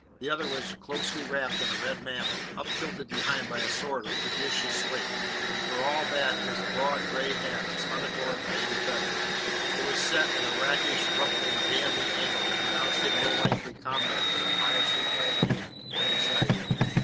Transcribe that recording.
The other was closely wrapped in a red mantle, uptilted behind by a sword of prodigious length, and for all that his broad, grey hat was unadorned by any feather, it was set at a rakish, ruffling, damn me angle that pronounced him no likely comrade for the piously clad youth beside him.